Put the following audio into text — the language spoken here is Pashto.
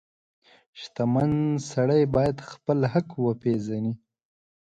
• شتمن سړی باید خپل حق وپیژني.